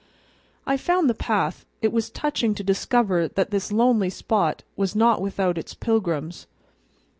I found the path; it was touching to discover that this lonely spot was not without its pilgrims.